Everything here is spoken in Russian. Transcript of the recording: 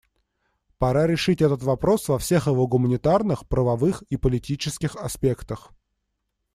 Пора решить этот вопрос во всех его гуманитарных, правовых и политических аспектах.